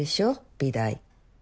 美大。